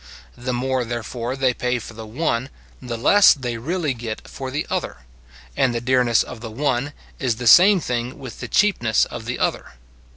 The more, therefore, they pay for the one, the less they really get for the other, and the dearness of the one is the same thing with the cheapness of the other.